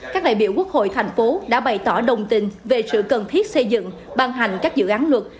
các đại biểu quốc hội tp hcm đã bày tỏ đồng tin về sự cần thiết xây dựng ban hành các dự án luật